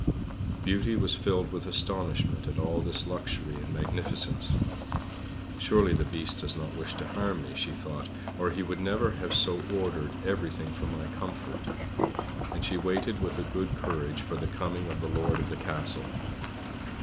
Beauty was filled with astonishment at all this luxury and magnificence. "Surely the Beast does not wish to harm me," she thought, "or he would never have so ordered everything for my comfort." And she waited with a good courage for the coming of the Lord of the Castle.